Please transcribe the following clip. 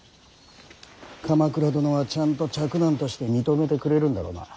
鎌倉殿はちゃんと嫡男として認めてくれるんだろうな。